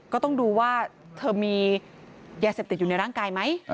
ก็ต้องดูว่าเธอมียาเสพติดอยู่ในร่างกายไหม